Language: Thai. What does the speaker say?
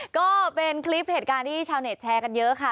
ก็เป็นคลิปเหตุการณ์ที่ชาวเน็ตแชร์กันเยอะค่ะ